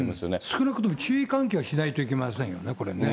少なくとも注意喚起はしないといけませんよね、これね。